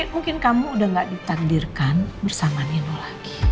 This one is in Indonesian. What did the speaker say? mungkin kamu udah gak ditandirkan bersama nino lagi